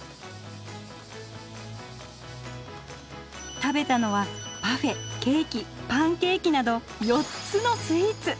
食べたのはパフェケーキパンケーキなど４つのスイーツ！